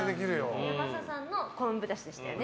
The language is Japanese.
ヤマサさんの昆布だしでしたね。